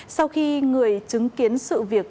sau khi người chứng kiến sự việc